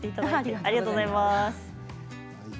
ありがとうございます。